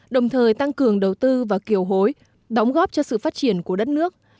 đồng thời tăng cường đầu tư và kiều hối đóng góp cho sự phát triển của đất nước